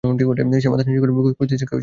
সে মাথা নিচু করে কুস্তি মঞ্চ থেকে নেমে আসে।